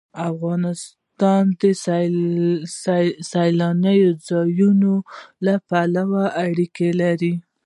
افغانستان د سیلاني ځایونو له پلوه اړیکې لري.